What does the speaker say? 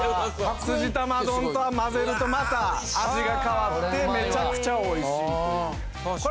すじ玉丼と混ぜるとまた味が変わってめちゃくちゃ美味しいという。